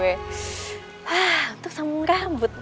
wah untuk sambung rambut